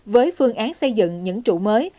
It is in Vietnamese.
với phương án xây dựng những trụ mới